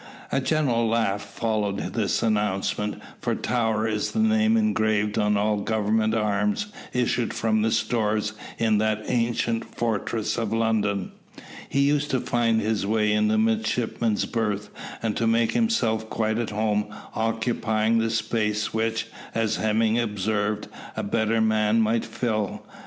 A general laugh followed this announcement, for Tower is the name engraved on all Government arms issued from the stores in that ancient fortress of London. He used to find his way into the midshipmen's berth and to make himself quite at home, occupying the space which, as Hemming observed, a better man might fill.